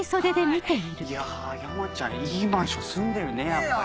いや山ちゃんいいマンション住んでるねやっぱり。